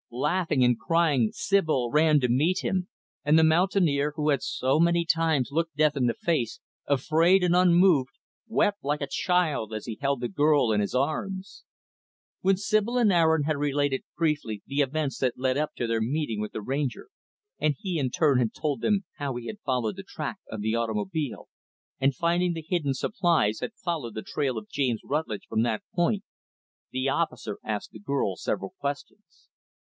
Laughing and crying, Sibyl ran to meet him; and the mountaineer, who had so many times looked death in the face, unafraid and unmoved, wept like a child as he held the girl in his arms. When Sibyl and Aaron had related briefly the events that led up to their meeting with the Ranger, and he in turn had told them how he had followed the track of the automobile and, finding the hidden supplies, had followed the trail of James Rutlidge from that point, the officer asked the girl several questions.